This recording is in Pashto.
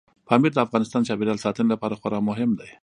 پامیر د افغانستان د چاپیریال ساتنې لپاره خورا مهم دی.